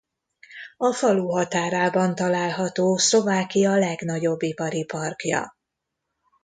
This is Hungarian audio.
A falu határában található Szlovákia legnagyobb ipari parkja.